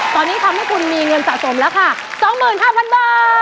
ตอนนี้ทำให้คุณมีเงินสะสมแล้วค่ะ๒๕๐๐๐บาท